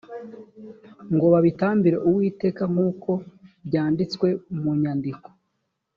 ngo babitambire uwiteka nk uko byanditswe mu nyandiko